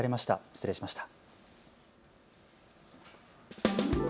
失礼しました。